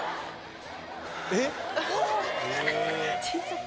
えっ？